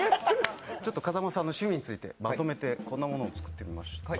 風間さんの趣味についてまとめてこんなものを作ってみました。